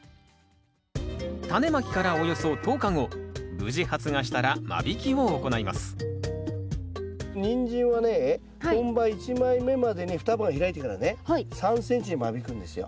無事発芽したら間引きを行いますニンジンはね本葉１枚目までに双葉が開いてからね３ｃｍに間引くんですよ。